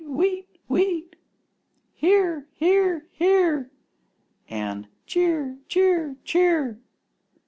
Wheat! Wheat!" "Here! Here! Here!" and "Cheer! Cheer! Cheer!"